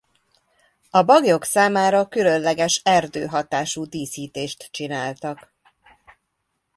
A baglyok számára különleges erdő hatású díszítést csináltak.